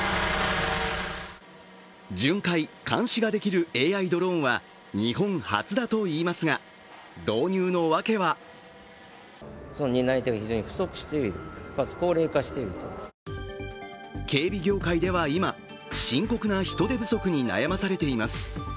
巡回・監視ができるＡＩドローンは日本初だといいますが、導入のわけは警備業界では今、深刻な人手不足に悩まされています。